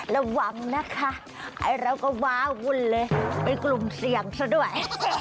ระวังนะคะไอ้เราก็ว้าวุ่นเลยเป็นกลุ่มเสี่ยงซะด้วย